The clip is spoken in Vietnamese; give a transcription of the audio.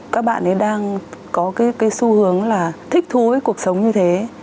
các bạn ấy đang có cái xu hướng là thích thú với cuộc sống như thế